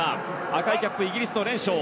赤いキャップイギリスのレンショー。